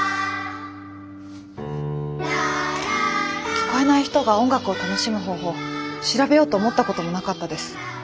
聞こえない人が音楽を楽しむ方法調べようと思ったこともなかったです。